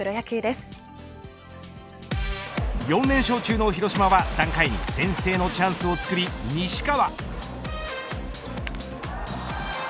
４連勝中の広島は３回先制のチャンスをつくり、西川。